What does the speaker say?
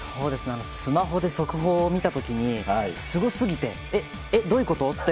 スマホで速報を見た時にすごすぎてえっ、どういうこと？って